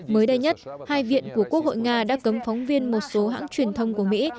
mới đây nhất hai viện của quốc hội nga đã cấm phóng viên một số hãng truyền thông của mỹ